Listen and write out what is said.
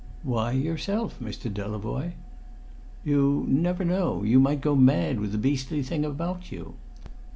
"Why yourself, Mr. Delavoye?" "You never know. You might go mad with the beastly thing about you."